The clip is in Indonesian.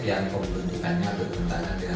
yang pembentukannya betul